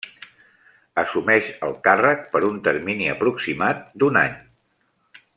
Assumeix el càrrec per un termini aproximat d'un any.